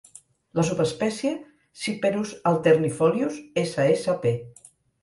La subespècie "Cyperus alternifolius" ssp.